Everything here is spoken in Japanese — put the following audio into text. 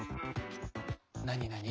なになに？